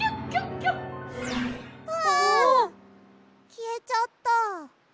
きえちゃった。